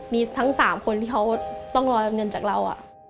มีทั้ง๓คนที่เขาต้องรอเงินจากเรา